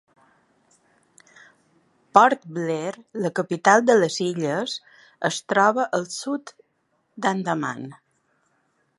Port Blair, la capital de les illes, es troba al sud d'Andaman.